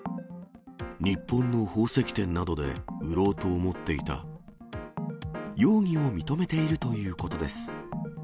日本の宝石店などで売ろうと容疑を認めているということです。